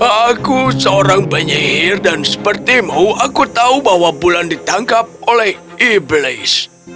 aku seorang penyihir dan sepertimu aku tahu bahwa bulan ditangkap oleh iblis